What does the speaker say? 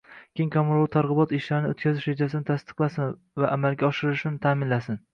Keng qamrovli targ‘ibot ishlarini o‘tkazish rejasini tasdiqlasin va amalga oshirilishini ta’minlasin.